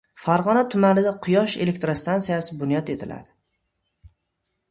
Farg‘ona tumanida quyosh elektrostansiyasi bunyod etiladi